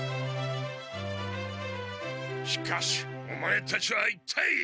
しかしオマエたちは一体。